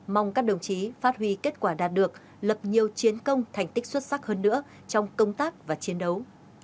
mong các đồng chí phát huy kết quả đạt được lập nhiều chiến công thành tích xuất sắc hơn nữa trong công tác và chiến đấu